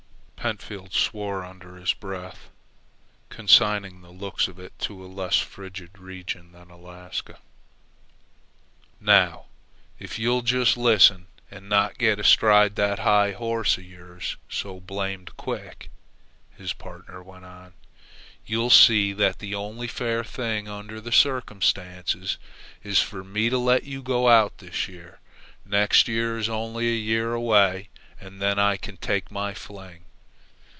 Pentfield swore under his breath, consigning the looks of it to a less frigid region than Alaska. "Now, if you'll just listen and not get astride that high horse of yours so blamed quick," his partner went on, "you'll see that the only fair thing under the circumstances is for me to let you go out this year. Next year is only a year away, and then I can take my fling."